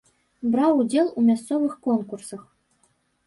Браў удзел у мясцовых конкурсах.